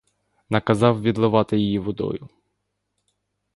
Наказав відливати її водою.